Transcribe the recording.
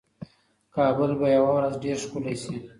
کابل به یوه ورځ ډېر ښکلی شي.